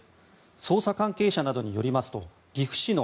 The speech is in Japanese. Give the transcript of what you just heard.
捜査関係者などによりますと岐阜市の